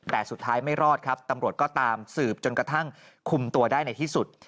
แต่สุดท้ายไม่รอดครับตำรวจก็ตามสืบจนกระทั่งคุมตัวได้ในที่สุด